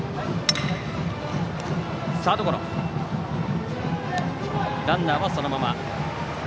サードゴロ、ランナーはそのまま。